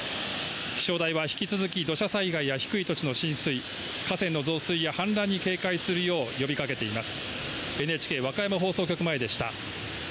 気象台は引き続き土砂災害や低い土地の浸水河川の増水や氾濫に警戒するよう呼びかけています。